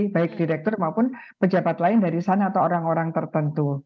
baik direktur maupun pejabat lain dari sana atau orang orang tertentu